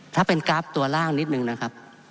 ถ้าเป็นกราฟตัวล่างนิดนึงนะครับ